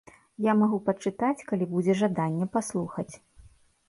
Я магу пачытаць, калі будзе жаданне паслухаць.